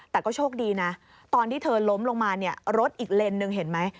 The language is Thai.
แต่ก็โชคดีนะตอนที่เธอล้มลงมาเนี่ยรถอีกเลนส์หนึ่งเห็นไหม